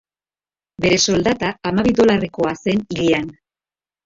Bere soldata hamabi dolarrekoa zen hilean.